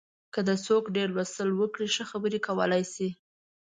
که څوک ډېر لوستل وکړي، ښه خبرې هم کولای شي.